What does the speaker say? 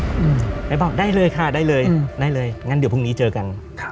ไอ้บอกได้เลยค่ะได้เลยได้เลยงั้นเดี๋ยวพรุ่งนี้เจอกันครับ